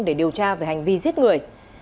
để điều tra về hành vi giết người